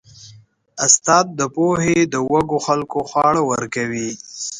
استاد د پوهې د وږو خلکو خواړه ورکوي.